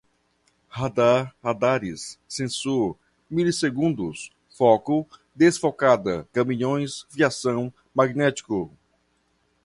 radar, radares, sensor, milisegundos, foco, desfocada, caminhões, fiação, magnético